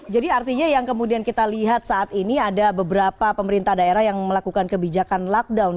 jadi artinya yang kemudian kita lihat saat ini ada beberapa pemerintah daerah yang melakukan kebijakan lockdown